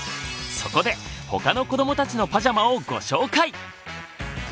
そこで他の子どもたちのパジャマをご紹介！